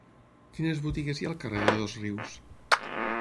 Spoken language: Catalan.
Quines botigues hi ha al carrer de Dosrius?